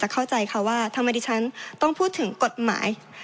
จะเข้าใจว่าทำไมดิฉันต้องคิดถึงกฎหมาย